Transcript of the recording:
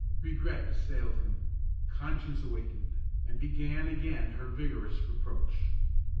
Regret assailed him; conscience awakened, and began again her vigorous reproach.